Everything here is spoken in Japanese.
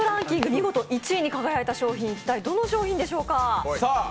見事１位に輝いた商品、一体どの商品でしょうか？